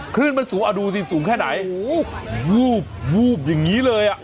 คลื่นมันสูงอดูสินสูงแค่ไหนโอ้โหยังงี้เลยอ่ะ